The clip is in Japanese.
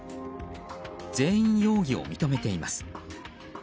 全員、容疑を認めています。